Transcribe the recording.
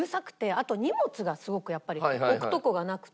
あと荷物がすごくやっぱり置くとこがなくて。